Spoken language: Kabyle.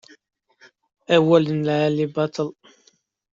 Awal n lεali baṭel.